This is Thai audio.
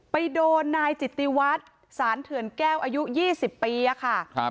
ไปโดนนายจิตติวัตรสารเถื่อนแก้วอายุ๒๐ปีค่ะ